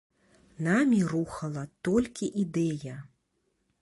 Намі рухала толькі ідэя.